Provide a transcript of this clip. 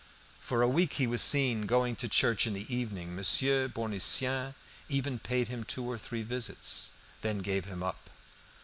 For a week he was seen going to church in the evening. Monsieur Bournisien even paid him two or three visits, then gave him up.